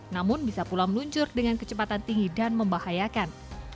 namun bisa pula meluncur dengan kecepatan tinggi dan membahayakan